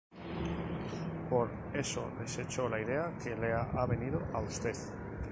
Por eso desecho la idea que le ha venido a Ud.